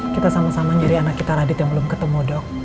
kita sama sama nyari anak kita radit yang belum ketemu dok